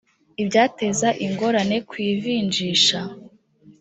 ibyateza ingorane ku ivinjisha